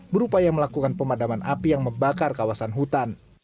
berupaya melakukan pemadaman api yang membakar kawasan hutan